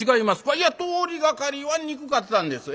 「いや通りがかりはにくかったんです。